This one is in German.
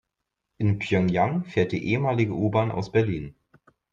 In Pjöngjang fährt die ehemalige U-Bahn aus Berlin.